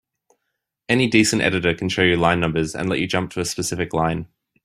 Any decent editor can show you line numbers and let you jump to a specific line.